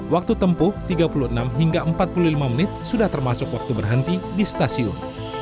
waktu tempuh tiga puluh enam hingga empat puluh lima menit sudah termasuk waktu berhenti di stasiun